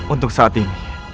untuk saat ini